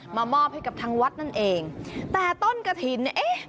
มอบให้กับทางวัดนั่นเองแต่ต้นกระถิ่นเนี่ยเอ๊ะ